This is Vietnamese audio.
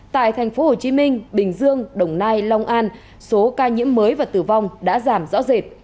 tại thành phố hồ chí minh bình dương đồng nai long an số ca nhiễm mới và tử vong đã giảm rõ rệt